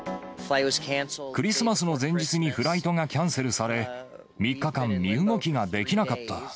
クリスマスの前日にフライトがキャンセルされ、３日間、身動きができなかった。